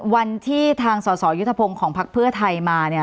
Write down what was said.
วันที่ทางสสยุทธพงศ์ของพักเพื่อไทยมาเนี่ย